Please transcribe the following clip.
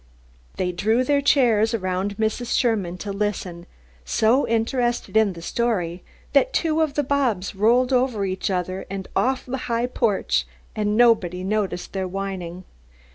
They drew their chairs around Mrs. Sherman to listen, so interested in the story that two of the Bobs rolled over each other and off the high porch, and nobody noticed their whining.